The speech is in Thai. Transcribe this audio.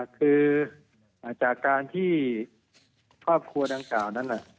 คือจากการที่ครอบครัวดังกล่าวนั้น